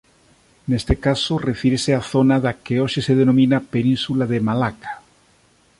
Neste caso, refírese á zona da que hoxe se denomina península de Malaca.